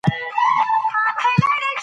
پكښي مي وليدې ستا خړي سترګي